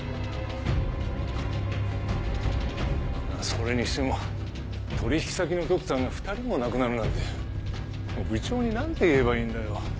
それにしても取引先のドクターが２人も亡くなるなんて部長に何て言えばいいんだよ。